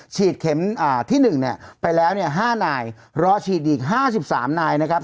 เข็มที่๑เนี่ยไปแล้ว๕นายรอฉีดอีก๕๓นายนะครับ